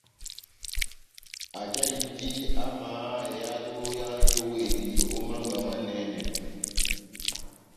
Ajahindi amaha ehádo yá nʼyówedi ó mánga manɛnɛ.